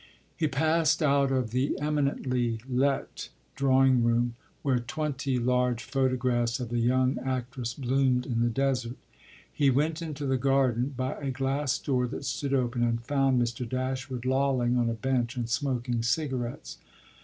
He passed out of the eminently "let" drawing room, where twenty large photographs of the young actress bloomed in the desert; he went into the garden by a glass door that stood open, and found Mr. Dashwood lolling on a bench and smoking cigarettes.